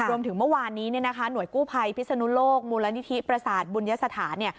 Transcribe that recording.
รวมถึงเมื่อวานนี้เนี่ยนะคะหน่วยกู้ภัยพิศนุโลกมูลนิธิประสาทบุญยสถานเนี่ย